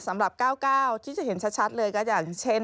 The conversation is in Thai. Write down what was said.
สำหรับ๙๙ที่จะเห็นชัดเลยก็อย่างเช่น